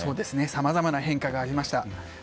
さまざまな変化がりました。